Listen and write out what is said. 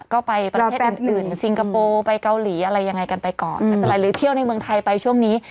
ก็ไปประเทศอื่นอื่นซิงคโปร์ไปเกาหลีอะไรยังไงกันไปก่อนไม่เป็นไรหรือเที่ยวในเมืองไทยไปช่วงนี้